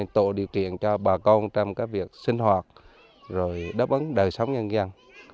tổ điều kiện cho bà con trong các việc sinh hoạt rồi đáp ứng đời sống nhân dân